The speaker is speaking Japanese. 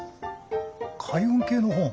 開運系の本？